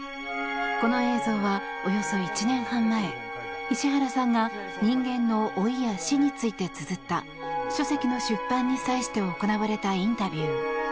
この映像は、およそ１年半前石原さんが人間の老いや死についてつづった書籍の出版に際して行われたインタビュー。